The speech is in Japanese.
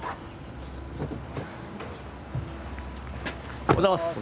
おはようございます。